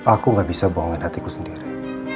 aku gak bisa buangan hatiku sendiri